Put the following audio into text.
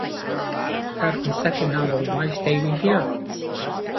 Godwin's second novel Why Stay We Here?